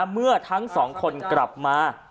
เมื่อทั้งสองคนกลับมา